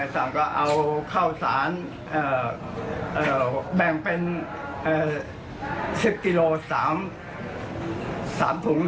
สั่งก็เอาข้าวสารแบ่งเป็น๑๐กิโล๓ถุง